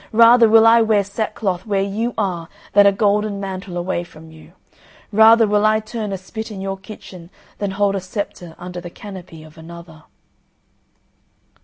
Rather will I wear sackcloth where you are than a golden mantle away from you. Rather will I turn a spit in your kitchen than hold a sceptre under the canopy of another."